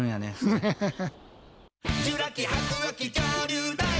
ハハハハ。